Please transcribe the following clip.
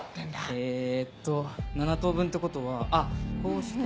えっと７等分ってことはあっこうして。